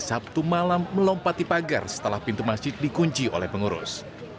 sabtu malam melompati pagar setelah pintu masjid dikunci oleh pengurus